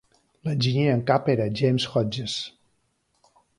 L'enginyer en cap era James Hodges.